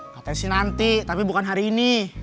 katanya sih nanti tapi bukan hari ini